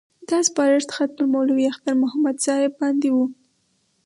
دا سپارښت خط پر مولوي اختر محمد صاحب باندې وو.